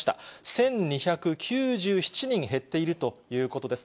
１２９７人減っているということです。